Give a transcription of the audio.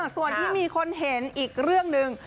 ส่วนที่มีคนเห็นอีกเรื่องหนึ่ง